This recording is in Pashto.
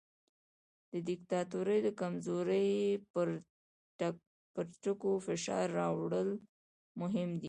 د دیکتاتورۍ د کمزورۍ پر ټکو فشار راوړل مهم دي.